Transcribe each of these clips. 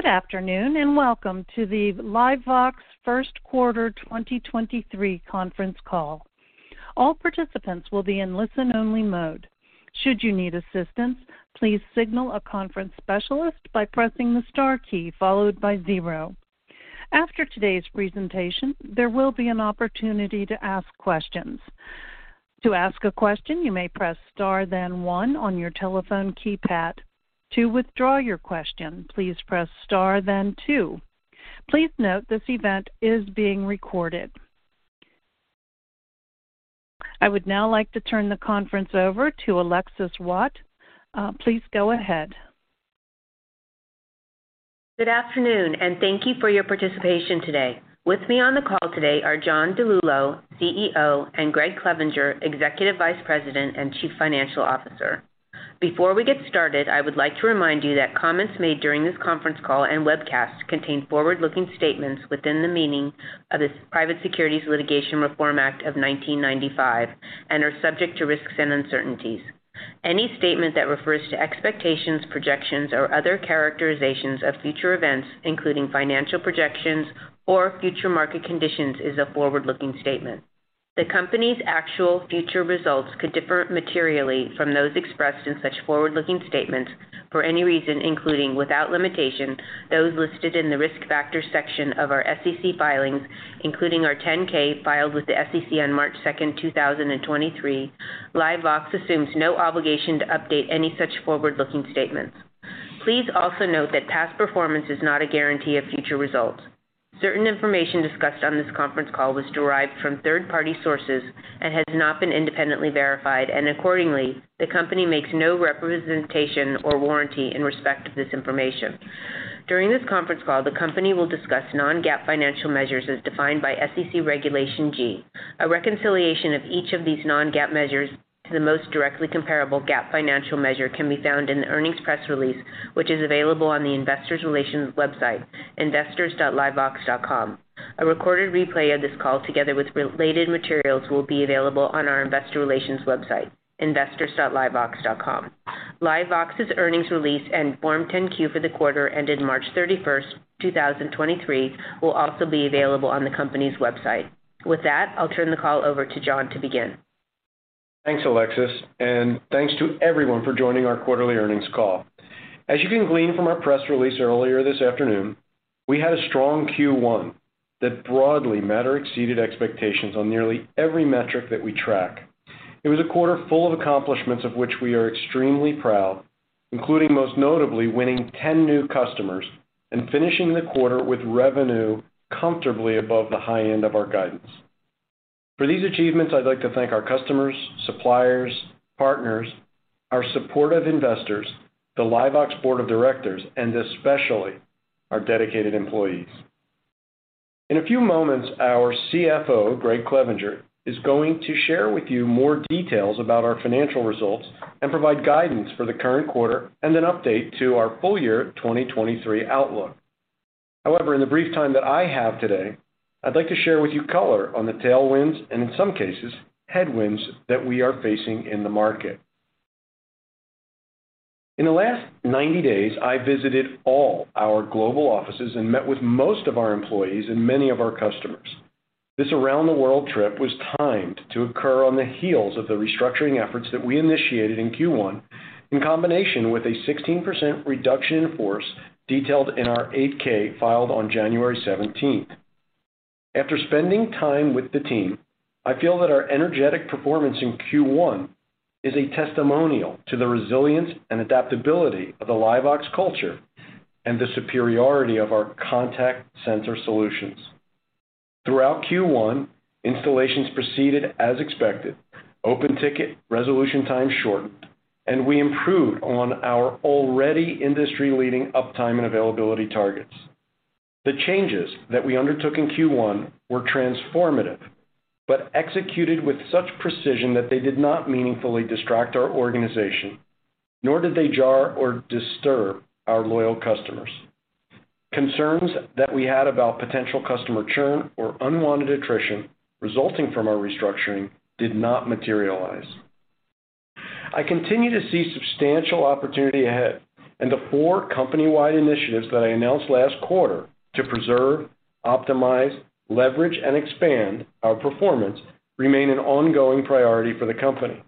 Good afternoon, and welcome to the LiveVox First Quarter 2023 Conference Call. All participants will be in listen-only mode. Should you need assistance, please signal a conference specialist by pressing the star key followed by zero. After today's presentation, there will be an opportunity to ask questions. To ask a question, you may press star then one on your telephone keypad. To withdraw your question, please press star then two. Please note this event is being recorded. I would now like to turn the conference over to Alexis Waadt. Please go ahead. Good afternoon, and thank you for your participation today. With me on the call today are John DiLullo, CEO, and Gregg Clevenger, Executive Vice President and Chief Financial Officer. Before we get started, I would like to remind you that comments made during this conference call and webcast contain forward-looking statements within the meaning of the Private Securities Litigation Reform Act of 1995 and are subject to risks and uncertainties. Any statement that refers to expectations, projections, or other characterizations of future events, including financial projections or future market conditions, is a forward-looking statement. The company's actual future results could differ materially from those expressed in such forward-looking statements for any reason, including without limitation, those listed in the Risk Factors section of our SEC filings, including our 10-K filed with the SEC on March 2nd, 2023. LiveVox assumes no obligation to update any such forward-looking statements. Please also note that past performance is not a guarantee of future results. Certain information discussed on this conference call was derived from third-party sources and has not been independently verified. Accordingly, the company makes no representation or warranty in respect to this information. During this conference call, the company will discuss non-GAAP financial measures as defined by SEC Regulation G. A reconciliation of each of these non-GAAP measures to the most directly comparable GAAP financial measure can be found in the earnings press release, which is available on the investor relations website, investors.livevox.com. A recorded replay of this call, together with related materials, will be available on our investor relations website, investors.livevox.com. LiveVox's earnings release and Form 10-Q for the quarter ending March 31st, 2023 will also be available on the company's website. With that, I'll turn the call over to John to begin. Thanks, Alexis, thanks to everyone for joining our quarterly earnings call. As you can glean from our press release earlier this afternoon, we had a strong Q1 that broadly met or exceeded expectations on nearly every metric that we track. It was a quarter full of accomplishments of which we are extremely proud, including, most notably, winning 10 new customers and finishing the quarter with revenue comfortably above the high end of our guidance. For these achievements, I'd like to thank our customers, suppliers, partners, our supportive investors, the LiveVox board of directors, and especially our dedicated employees. In a few moments, our CFO, Gregg Clevenger, is going to share with you more details about our financial results and provide guidance for the current quarter and an update to our full year 2023 outlook. In the brief time that I have today, I'd like to share with you color on the tailwinds and, in some cases, headwinds that we are facing in the market. In the last 90 days, I visited all our global offices and met with most of our employees and many of our customers. This around-the-world trip was timed to occur on the heels of the restructuring efforts that we initiated in Q1 in combination with a 16% reduction in force detailed in our 8-K filed on January 17th. After spending time with the team, I feel that our energetic performance in Q1 is a testimonial to the resilience and adaptability of the LiveVox culture and the superiority of our contact center solutions. Throughout Q1, installations proceeded as expected. Open ticket resolution time shortened, and we improved on our already industry-leading uptime and availability targets. The changes that we undertook in Q1 were transformative, but executed with such precision that they did not meaningfully distract our organization, nor did they jar or disturb our loyal customers. Concerns that we had about potential customer churn or unwanted attrition resulting from our restructuring did not materialize. I continue to see substantial opportunity ahead, and the four company-wide initiatives that I announced last quarter to preserve, optimize, leverage, and expand our performance remain an ongoing priority for the company.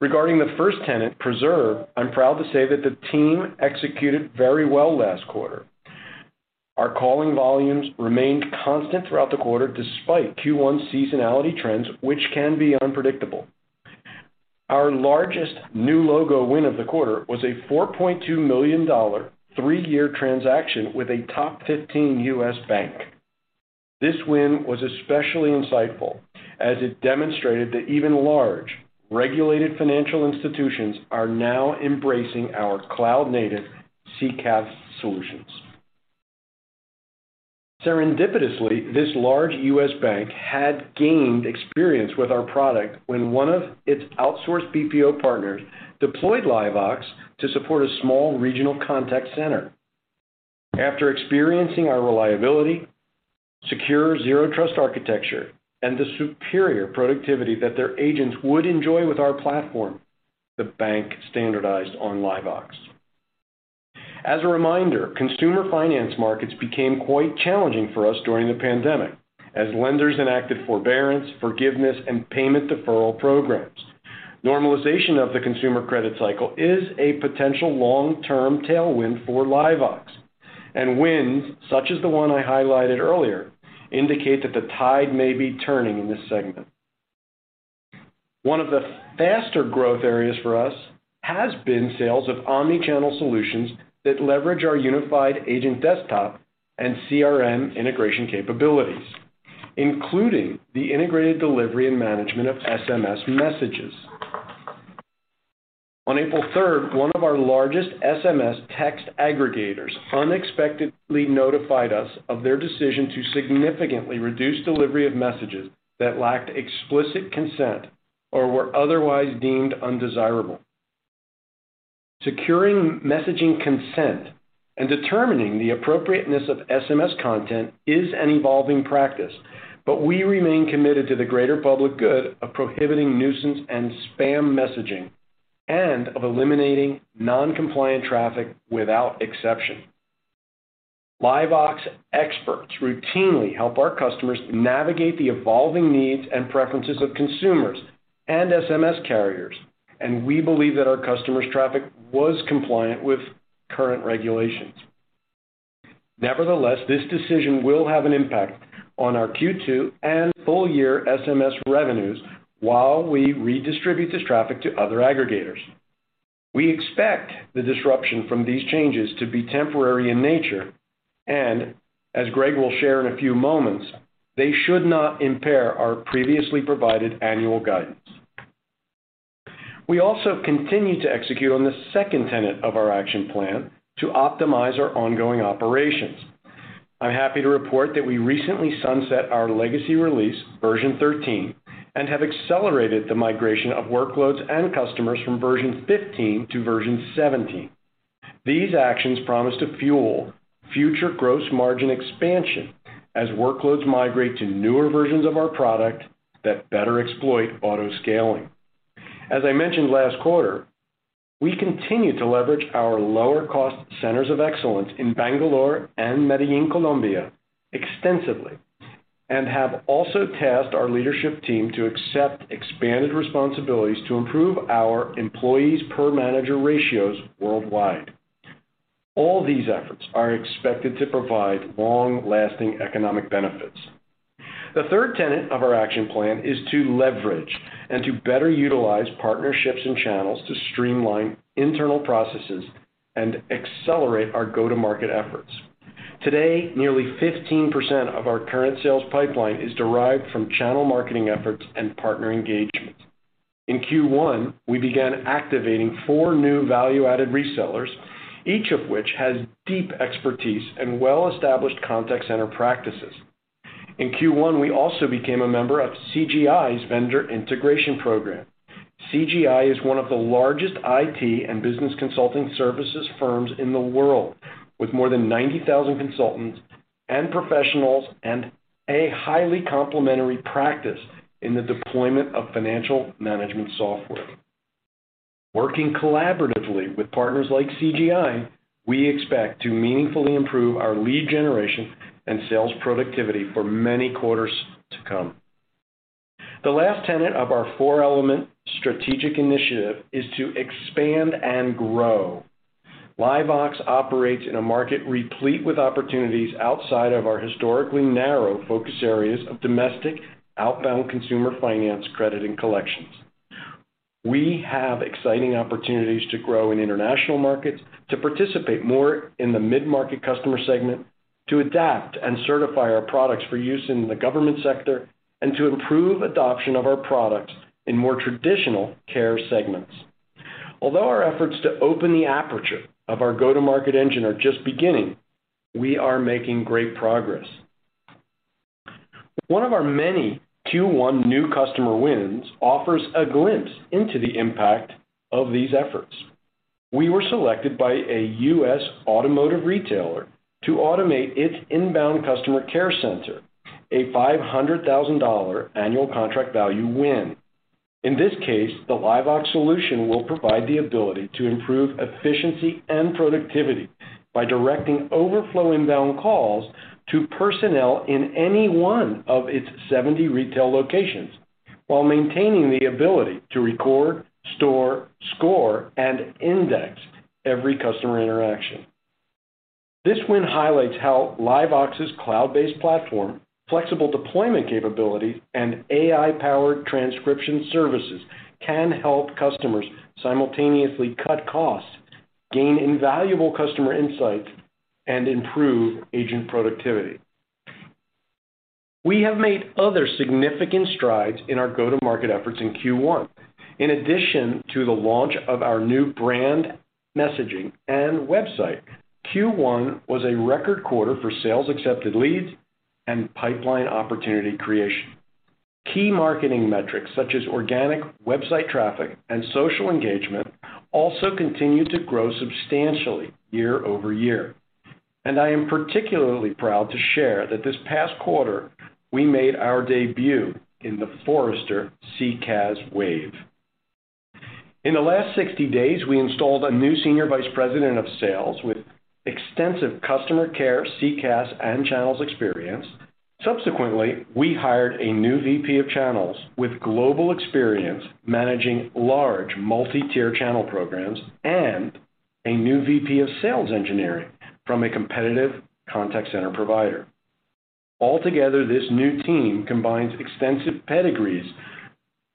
Regarding the first tenet, preserve, I'm proud to say that the team executed very well last quarter. Our calling volumes remained constant throughout the quarter, despite Q1 seasonality trends, which can be unpredictable. Our largest new logo win of the quarter was a $4.2 million three-year transaction with a top 15 U.S. bank. This win was especially insightful, as it demonstrated that even large, regulated financial institutions are now embracing our cloud-native CCaaS solutions. Serendipitously, this large U.S. bank had gained experience with our product when one of its outsourced BPO partners deployed LiveVox to support a small regional contact center. After experiencing our reliability. Secure Zero Trust architecture and the superior productivity that their agents would enjoy with our platform, the bank standardized on LiveVox. As a reminder, consumer finance markets became quite challenging for us during the pandemic as lenders enacted forbearance, forgiveness, and payment deferral programs. Normalization of the consumer credit cycle is a potential long-term tailwind for LiveVox, and winds, such as the one I highlighted earlier, indicate that the tide may be turning in this segment. One of the faster growth areas for us has been sales of omni-channel solutions that leverage our unified agent desktop and CRM integration capabilities, including the integrated delivery and management of SMS messages. On April 3rd, one of our largest SMS text aggregators unexpectedly notified us of their decision to significantly reduce delivery of messages that lacked explicit consent or were otherwise deemed undesirable. Securing messaging consent and determining the appropriateness of SMS content is an evolving practice, but we remain committed to the greater public good of prohibiting nuisance and spam messaging and of eliminating non-compliant traffic without exception. LiveVox experts routinely help our customers navigate the evolving needs and preferences of consumers and SMS carriers, and we believe that our customers' traffic was compliant with current regulations. Nevertheless, this decision will have an impact on our Q2 and full year SMS revenues while we redistribute this traffic to other aggregators. We expect the disruption from these changes to be temporary in nature and as Greg will share in a few moments, they should not impair our previously provided annual guidance. We also continue to execute on the second tenet of our action plan to optimize our ongoing operations. I'm happy to report that we recently sunset our legacy release version thirteen, and have accelerated the migration of workloads and customers from version fifteen to version seventeen. These actions promise to fuel future gross margin expansion as workloads migrate to newer versions of our product that better exploit auto-scaling. As I mentioned last quarter, we continue to leverage our lower cost centers of excellence in Bangalore and Medellin, Colombia extensively, and have also tasked our leadership team to accept expanded responsibilities to improve our employees per manager ratios worldwide. All these efforts are expected to provide long-lasting economic benefits. The third tenet of our action plan is to leverage and to better utilize partnerships and channels to streamline internal processes and accelerate our go-to market efforts. Today, nearly 15% of our current sales pipeline is derived from channel marketing efforts and partner engagement. In Q1, we began activating four new value-added resellers, each of which has deep expertise and well-established contact center practices. In Q1, we also became a member of CGI's vendor integration program. CGI is one of the largest IT and business consulting services firms in the world with more than 90,000 consultants and professionals and a highly complementary practice in the deployment of financial management software. Working collaboratively with partners like CGI, we expect to meaningfully improve our lead generation and sales productivity for many quarters to come. The last tenet of our four-element strategic initiative is to expand and grow. LiveVox operates in a market replete with opportunities outside of our historically narrow focus areas of domestic outbound consumer finance, credit, and collections. We have exciting opportunities to grow in international markets, to participate more in the mid-market customer segment, to adapt and certify our products for use in the government sector, and to improve adoption of our products in more traditional care segments. Although our efforts to open the aperture of our go-to-market engine are just beginning, we are making great progress. One of our many Q1 new customer wins offers a glimpse into the impact of these efforts. We were selected by a US automotive retailer to automate its inbound customer care center, a $500,000 annual contract value win. In this case, the LiveVox solution will provide the ability to improve efficiency and productivity by directing overflow inbound calls to personnel in any one of its 70 retail locations while maintaining the ability to record, store, score, and index every customer interaction. This win highlights how LiveVox's cloud-based platform, flexible deployment capability, and AI-powered transcription services can help customers simultaneously cut costs, gain invaluable customer insights, and improve agent productivity. We have made other significant strides in our go-to-market efforts in Q1. In addition to the launch of our new brand messaging and website, Q1 was a record quarter for sales accepted leads and pipeline opportunity creation. Key marketing metrics such as organic website traffic and social engagement also continue to grow substantially year-over-year. I am particularly proud to share that this past quarter, we made our debut in the Forrester CCaaS Wave. In the last 60 days, we installed a new senior vice president of sales with extensive customer care, CCaaS, and channels experience. Subsequently, we hired a new VP of channels with global experience managing large multi-tier channel programs and a new VP of sales engineering from a competitive contact center provider. Altogether, this new team combines extensive pedigrees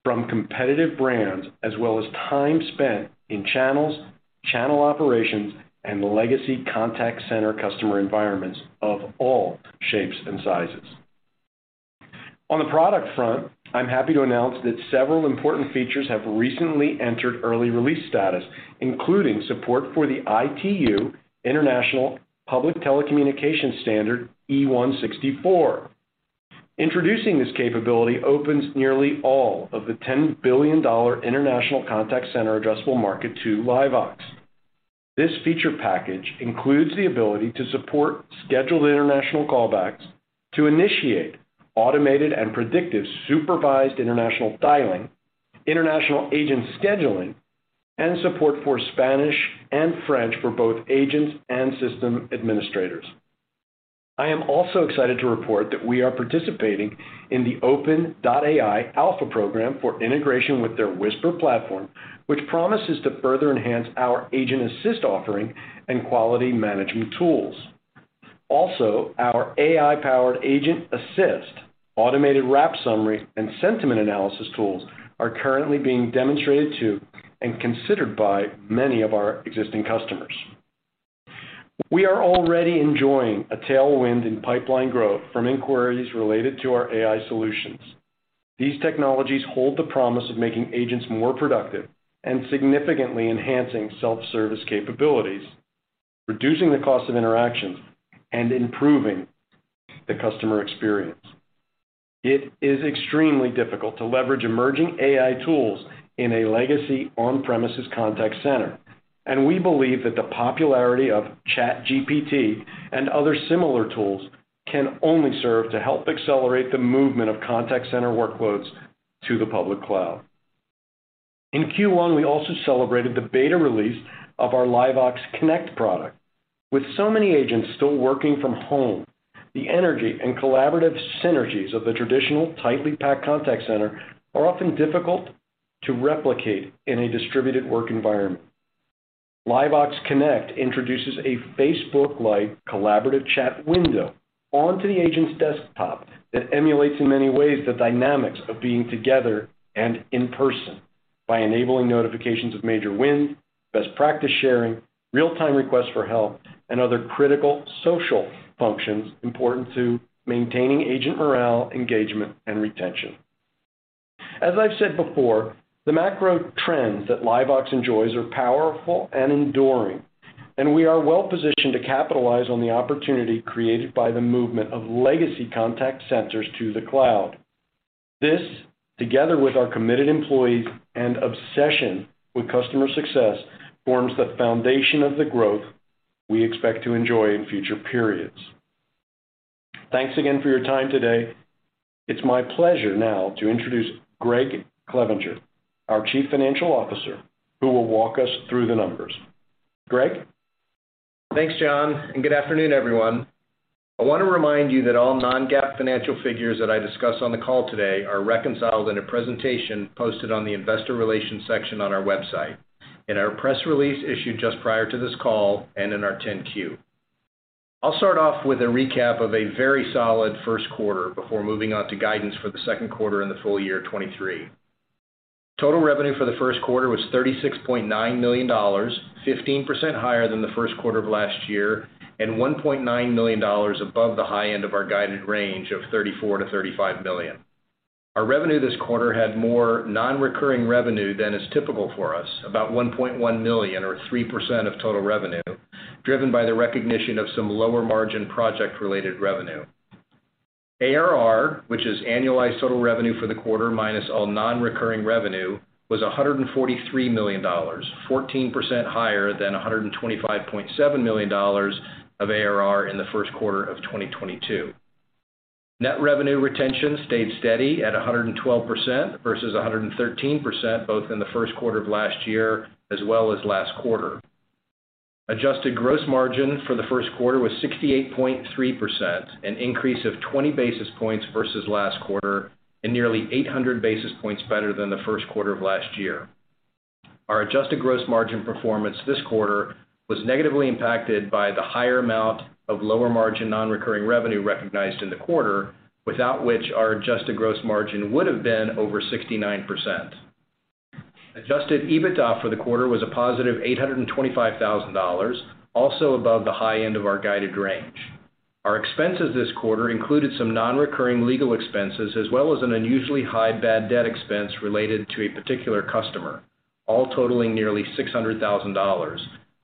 from competitive brands, as well as time spent in channels, channel operations, and legacy contact center customer environments of all shapes and sizes. On the product front, I'm happy to announce that several important features have recently entered early release status, including support for the ITU International Public Telecommunication Standard E-164. Introducing this capability opens nearly all of the $10 billion international contact center addressable market to LiveVox. This feature package includes the ability to support scheduled international callbacks to initiate automated and predictive supervised international dialing, international agent scheduling, and support for Spanish and French for both agents and system administrators. I am also excited to report that we are participating in the OpenAI Alpha program for integration with their Whisper platform, which promises to further enhance our agent assist offering and quality management tools. Our AI-powered agent assist, automated wrap summary, and sentiment analysis tools are currently being demonstrated to and considered by many of our existing customers. We are already enjoying a tailwind in pipeline growth from inquiries related to our AI solutions. These technologies hold the promise of making agents more productive and significantly enhancing self-service capabilities, reducing the cost of interactions, and improving the customer experience. It is extremely difficult to leverage emerging AI tools in a legacy on-premises contact center. We believe that the popularity of ChatGPT and other similar tools can only serve to help accelerate the movement of contact center workloads to the public cloud. In Q1, we also celebrated the beta release of our LiveVox Connect product. With so many agents still working from home, the energy and collaborative synergies of the traditional tightly packed contact center are often difficult to replicate in a distributed work environment. LiveVox Connect introduces a Facebook-like collaborative chat window onto the agent's desktop that emulates in many ways the dynamics of being together and in person by enabling notifications of major wins, best practice sharing, real-time requests for help, and other critical social functions important to maintaining agent morale, engagement, and retention. As I've said before, the macro trends that LiveVox enjoys are powerful and enduring, and we are well-positioned to capitalize on the opportunity created by the movement of legacy contact centers to the cloud. This, together with our committed employees and obsession with customer success, forms the foundation of the growth we expect to enjoy in future periods. Thanks again for your time today. It's my pleasure now to introduce Gregg Clevenger, our Chief Financial Officer, who will walk us through the numbers. Gregg? Thanks, John, and good afternoon, everyone. I want to remind you that all non-GAAP financial figures that I discuss on the call today are reconciled in a presentation posted on the investor relations section on our website, in our press release issued just prior to this call, and in our 10-Q. I'll start off with a recap of a very solid first quarter before moving on to guidance for the second quarter and the full year 2023. Total revenue for the first quarter was $36.9 million, 15% higher than the first quarter of last year and $1.9 million above the high end of our guided range of $34 million-$35 million. Our revenue this quarter had more non-recurring revenue than is typical for us, about $1.1 million or 3% of total revenue, driven by the recognition of some lower margin project-related revenue. ARR, which is annualized total revenue for the quarter minus all non-recurring revenue, was $143 million, 14% higher than $125.7 million of ARR in the first quarter of 2022. Net revenue retention stayed steady at 112% versus 113%, both in the first quarter of last year as well as last quarter. Adjusted gross margin for the first quarter was 68.3%, an increase of 20 basis points versus last quarter and nearly 800 basis points better than the first quarter of last year. Our adjusted gross margin performance this quarter was negatively impacted by the higher amount of lower margin non-recurring revenue recognized in the quarter, without which our adjusted gross margin would have been over 69%. Adjusted EBITDA for the quarter was a positive $825,000, also above the high end of our guided range. Our expenses this quarter included some non-recurring legal expenses as well as an unusually high bad debt expense related to a particular customer. All totaling nearly $600,000,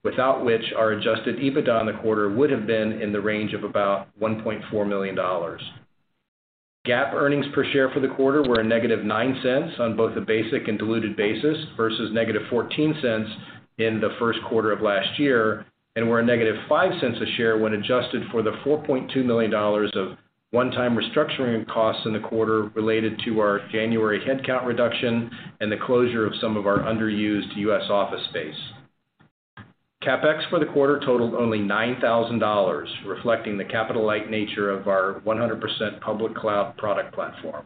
without which our adjusted EBITDA in the quarter would have been in the range of about $1.4 million. GAAP earnings per share for the quarter were a negative $0.09 on both a basic and diluted basis, versus negative $0.14 in the first quarter of last year, and were a negative $0.05 a share when adjusted for the $4.2 million of one-time restructuring costs in the quarter related to our January headcount reduction and the closure of some of our underused US office space. CapEx for the quarter totaled only $9,000, reflecting the capital-light nature of our 100% public cloud product platform.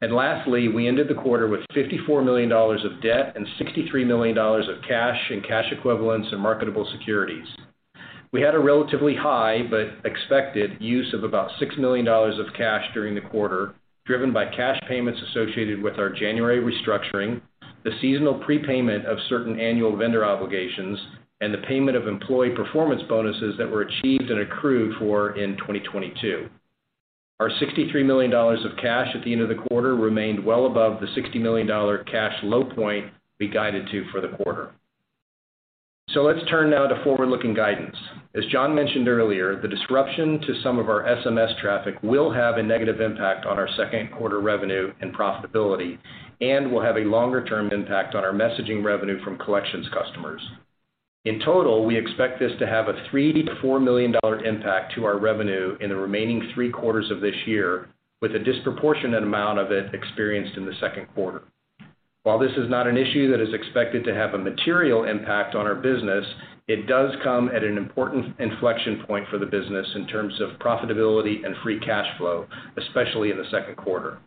We ended the quarter with $54 million of debt and $63 million of cash and cash equivalents in marketable securities. We had a relatively high, but expected use of about $6 million of cash during the quarter, driven by cash payments associated with our January restructuring, the seasonal prepayment of certain annual vendor obligations, and the payment of employee performance bonuses that were achieved and accrued for in 2022. Our $63 million of cash at the end of the quarter remained well above the $60 million cash low point we guided to for the quarter. Let's turn now to forward-looking guidance. As John mentioned earlier, the disruption to some of our SMS traffic will have a negative impact on our second quarter revenue and profitability and will have a longer-term impact on our messaging revenue from collections customers. In total, we expect this to have a $3 million-$4 million impact to our revenue in the remaining three quarters of this year, with a disproportionate amount of it experienced in the second quarter. While this is not an issue that is expected to have a material impact on our business, it does come at an important inflection point for the business in terms of profitability and free cash flow, especially in the second quarter.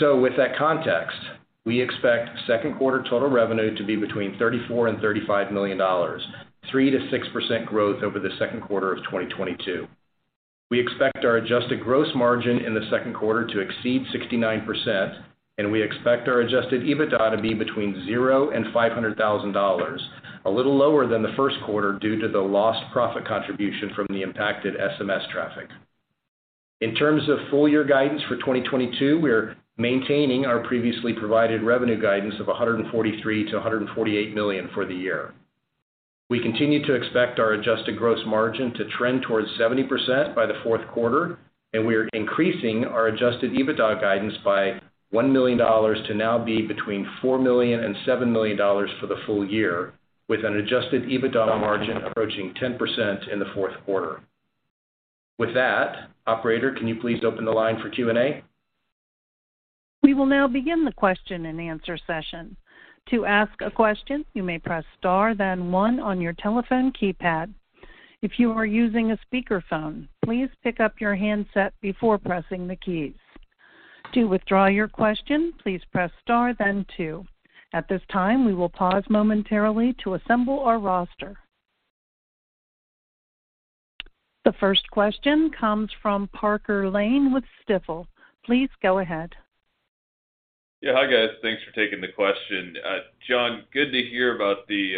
With that context, we expect second quarter total revenue to be between $34 million and $35 million, 3%-6% growth over the second quarter of 2022. We expect our adjusted gross margin in the second quarter to exceed 69%, and we expect our adjusted EBITDA to be between $0 and $500,000, a little lower than the first quarter due to the lost profit contribution from the impacted SMS traffic. In terms of full year guidance for 2022, we're maintaining our previously provided revenue guidance of $143 million-$148 million for the year. We continue to expect our adjusted gross margin to trend towards 70% by the fourth quarter, and we are increasing our adjusted EBITDA guidance by $1 million to now be between $4 million and $7 million for the full year, with an adjusted EBITDA margin approaching 10% in the fourth quarter. With that, operator, can you please open the line for Q&A? We will now begin the question-and-answer session. To ask a question, you may press star, then one on your telephone keypad. If you are using a speakerphone, please pick up your handset before pressing the keys. To withdraw your question, please press star then two. At this time, we will pause momentarily to assemble our roster. The first question comes from Parker Lane with Stifel. Please go ahead. Yeah. Hi, guys. Thanks for taking the question. John, good to hear about the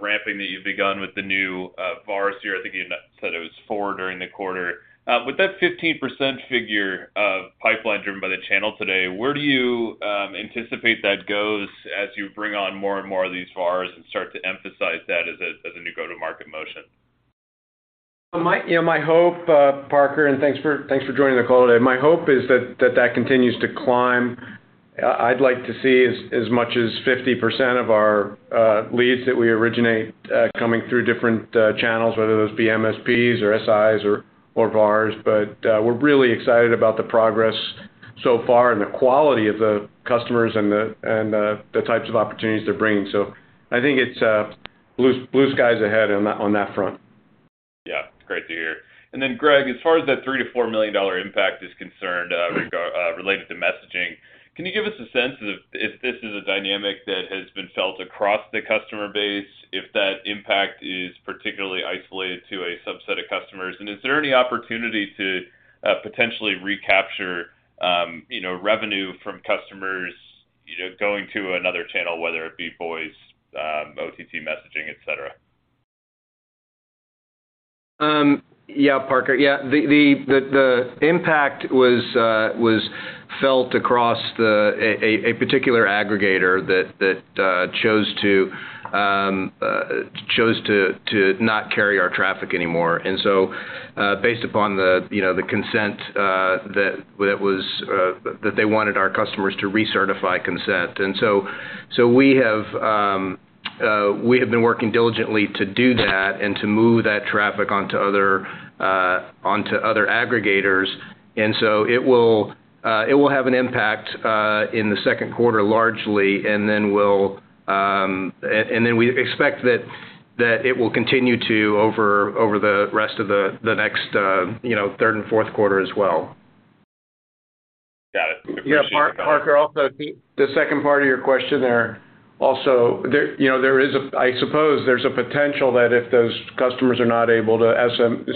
ramping that you've begun with the new VARs here. I think you said it was four during the quarter. With that 15% figure of pipeline driven by the channel today, where do you anticipate that goes as you bring on more and more of these VARs and start to emphasize that as a new go-to-market motion? You know, my hope, Parker, and thanks for joining the call today. My hope is that continues to climb. I'd like to see as much as 50% of our leads that we originate coming through different channels, whether those be MSPs or SIs or VARs. We're really excited about the progress so far and the quality of the customers and the types of opportunities they're bringing. I think it's blue skies ahead on that front. Yeah. Great to hear. Then Gregg, as far as that $3 million-$4 million impact is concerned, related to messaging, can you give us a sense of if this is a dynamic that has been felt across the customer base, if that impact is particularly isolated to a subset of customers? Is there any opportunity to potentially recapture, you know, revenue from customers, you know, going to another channel, whether it be voice, OTT messaging, et cetera? Yeah, Parker. Yeah. The impact was felt across a particular aggregator that chose to not carry our traffic anymore. Based upon the, you know, the consent that was that they wanted our customers to recertify consent. We have been working diligently to do that and to move that traffic onto other aggregators. It will have an impact in the second quarter, largely, and then will. Then we expect that it will continue over the rest of the next, you know, third and fourth quarter as well. Got it. Appreciate the color. Yeah. Parker, also the second part of your question there also, you know, I suppose there's a potential that if those customers are not able to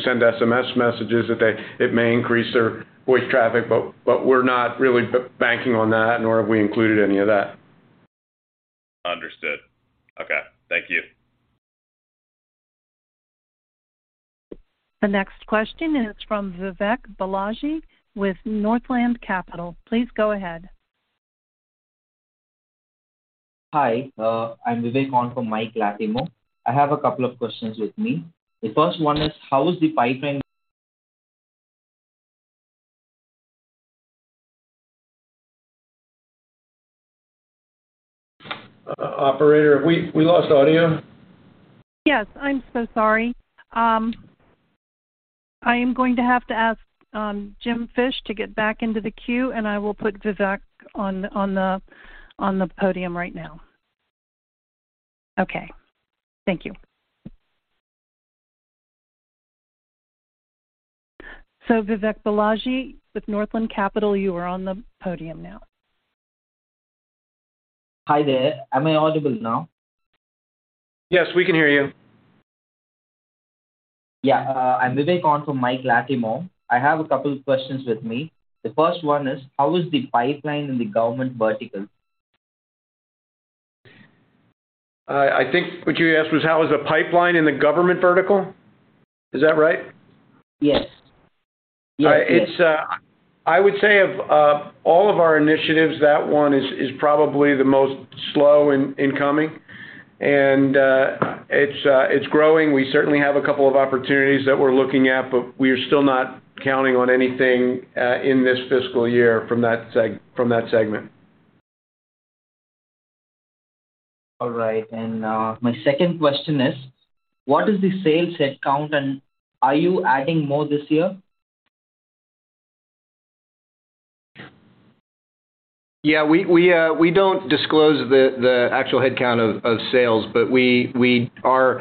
send SMS messages, that it may increase their voice traffic, but we're not really banking on that, nor have we included any of that. Understood. The next question is from Vivek Palani with Northland. Please go ahead. Hi, I'm Vivek on from Mike Latimore. I have a couple of questions with me. The first one is: how is the pipeline- Operator, we lost audio. Yes. I'm so sorry. I am going to have to ask Jim Fish to get back into the queue, and I will put Vivek on the podium right now. Okay. Thank you. Vivek Palani with Northland Capital, you are on the podium now. Hi there. Am I audible now? Yes, we can hear you. I'm Vivek on from Mike Latimore. I have a couple questions with me. The first one is: how is the pipeline in the government vertical? I think what you asked was how is the pipeline in the government vertical. Is that right? Yes, yes. It's I would say of all of our initiatives, that one is probably the most slow in coming. It's growing. We certainly have a couple of opportunities that we're looking at, but we're still not counting on anything in this fiscal year from that segment. All right. My second question is: what is the sales headcount, and are you adding more this year? Yeah. We don't disclose the actual headcount of sales, but we are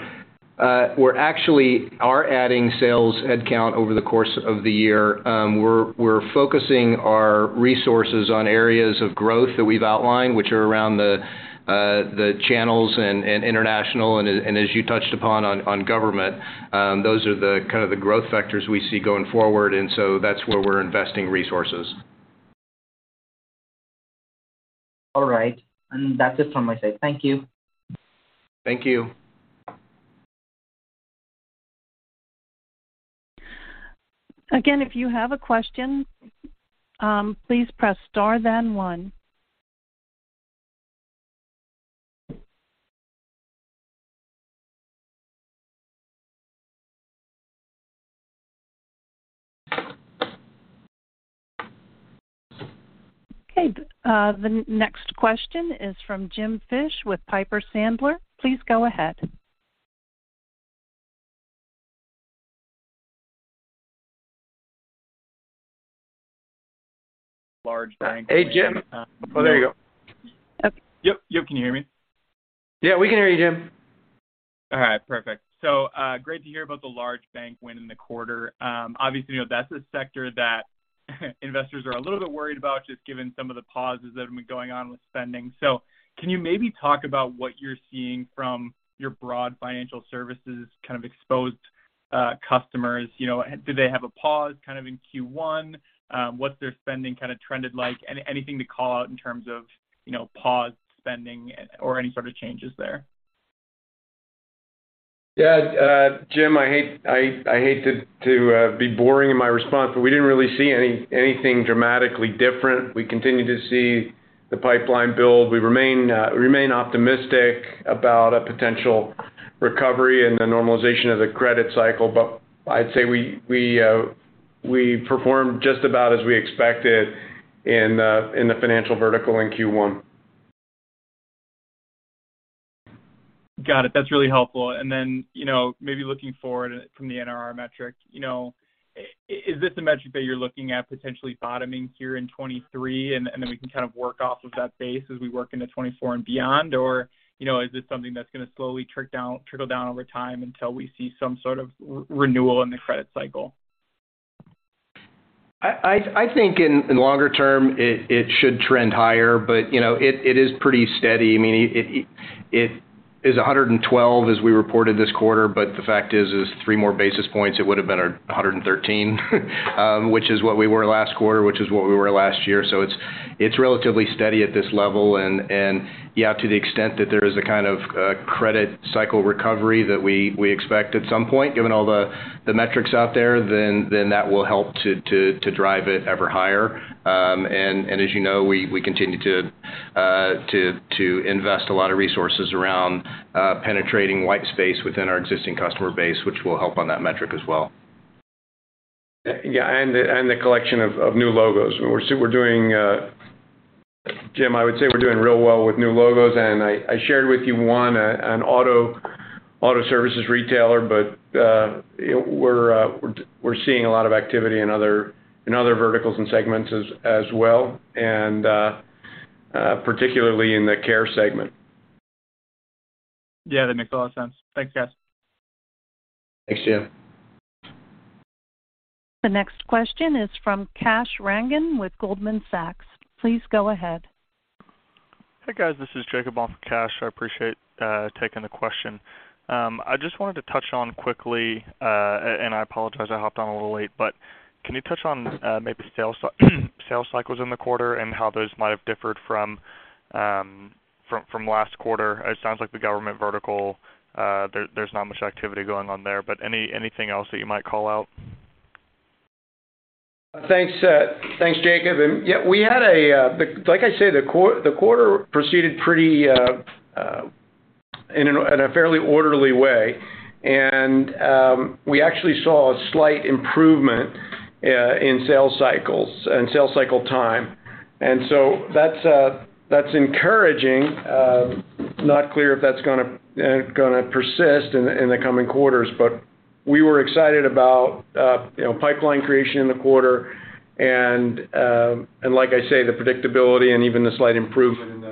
actually adding sales headcount over the course of the year. We're focusing our resources on areas of growth that we've outlined, which are around the channels and international and as you touched upon on government. Those are the kind of the growth vectors we see going forward. That's where we're investing resources. All right. That's it from my side. Thank you. Thank you. Again, if you have a question, please press star then one. Okay. The next question is from Jim Fish with Piper Sandler. Please go ahead. Large bank- Hey, Jim. Oh, there you go. Yep. Can you hear me? Yeah, we can hear you, Jim. All right, perfect. Great to hear about the large bank win in the quarter. Obviously, you know, that's a sector that investors are a little bit worried about just given some of the pauses that have been going on with spending. Can you maybe talk about what you're seeing from your broad financial services kind of exposed customers? You know, did they have a pause kind of in Q1? What's their spending kind of trended like? Anything to call out in terms of, you know, paused spending or any sort of changes there? Yeah. Jim, I hate to be boring in my response. We didn't really see anything dramatically different. We continue to see the pipeline build. We remain optimistic about a potential recovery and the normalization of the credit cycle. I'd say we performed just about as we expected in the financial vertical in Q1. Got it. That's really helpful. You know, maybe looking forward from the NRR metric, you know, is this a metric that you're looking at potentially bottoming here in 2023, and then we can kind of work off of that base as we work into 2024 and beyond? Or, you know, is this something that's gonna slowly trickle down over time until we see some sort of renewal in the credit cycle? I think in longer term, it should trend higher, but, you know, it is pretty steady. I mean, it is 112 as we reported this quarter, but the fact is three more basis points, it would have been 113, which is what we were last quarter, which is what we were last year. It's relatively steady at this level. Yeah, to the extent that there is a kind of credit cycle recovery that we expect at some point, given all the metrics out there, then that will help to drive it ever higher. As you know, we continue to invest a lot of resources around penetrating white space within our existing customer base, which will help on that metric as well. The collection of new logos. We're doing, Jim, I would say we're doing real well with new logos. I shared with you one, an auto services retailer, but, you know, we're seeing a lot of activity in other, in other verticals and segments as well, and particularly in the care segment. Yeah, that makes a lot of sense. Thanks, guys. Thanks, Jim. The next question is from Kash Rangan with Goldman Sachs. Please go ahead. Hey, guys. This is Jacob on for Kash. I appreciate taking the question. I just wanted to touch on quickly, and I apologize I hopped on a little late, but can you touch on maybe sales cycles in the quarter and how those might have differed from last quarter? It sounds like the government vertical, there's not much activity going on there, but anything else that you might call out? Thanks, thanks, Jacob. Yeah, we had a, like I said, the quarter proceeded pretty, in a fairly orderly way. We actually saw a slight improvement, in sales cycles and sales cycle time. That's encouraging. Not clear if that's gonna persist in the coming quarters. We were excited about, you know, pipeline creation in the quarter and like I say, the predictability and even the slight improvement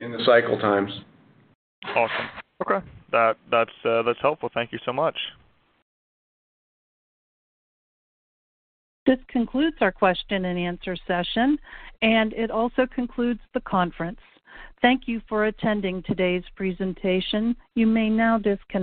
in the cycle times. Awesome. Okay. That's helpful. Thank you so much. This concludes our question and answer session. It also concludes the conference. Thank you for attending today's presentation. You may now disconnect.